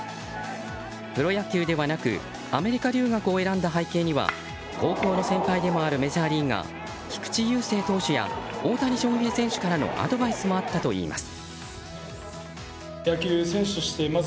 プロ野球ではなくアメリカ留学を選んだ背景には高校の先輩でもあるメジャーリーガー菊池雄星投手や大谷翔平選手からのアドバイスもあったといいます。